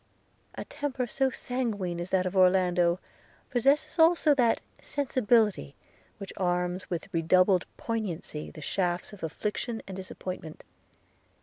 A temper so sanguine as that of Orlando, possesses also that sensibility which arms with redoubled poignancy the shafts of affliction and disappointment.